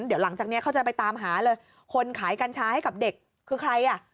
เดี๋ยวหลังจากนี้เขาจะไปตามหาเลยคนขายกัญชาให้กับเด็กคือใครอ่ะ